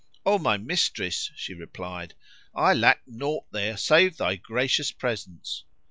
"O my mistress," she replied, "I lacked naught there save thy gracious presence."